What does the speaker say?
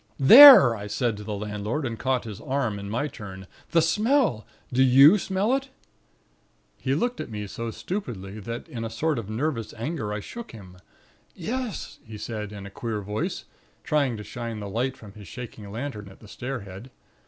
"'There!' I said to the landlord, and caught his arm, in my turn. 'The Smell! Do you smell it?' "He looked at me so stupidly that in a sort of nervous anger, I shook him. "'Yes,' he said, in a queer voice, trying to shine the light from his shaking lantern at the stair head.